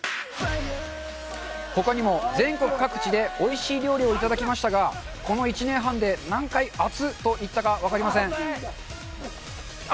ほかにも全国各地でおいしい料理を頂きましたがこの１年半で何回「熱っ！」と言ったか分かりません